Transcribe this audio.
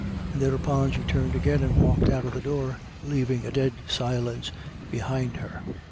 And thereupon she turned again, and walked out of the door, leaving a dead silence behind her.